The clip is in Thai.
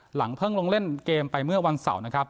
หลังเพิ่งลงเล่นเกมไปเมื่อวันเสาร์นะครับ